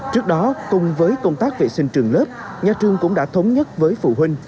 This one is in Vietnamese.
trước đó cùng với công tác vệ sinh trường lớp nhà trường cũng đã thống nhất với phụ huynh